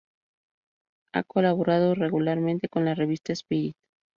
Ha colaborado regularmente con la revista "Esprit".